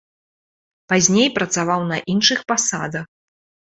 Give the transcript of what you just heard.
Пазней працаваў на іншых пасадах.